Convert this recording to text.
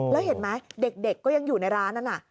แล้วเห็นไหมเด็กก็ยังอยู่ในร้านนั้น